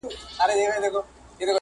لکه يو وړوکي هيواد يا ښار کې دننه